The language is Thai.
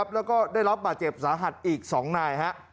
แล้วก็ได้รับบาดเจ็บสาหัสอีก๒นาย